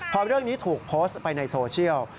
พอเรื่องนี้ถูกโพสต์ไปในโซเชียล